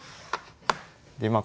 でまあ